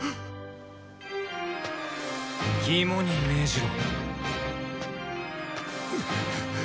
肝に銘じろ。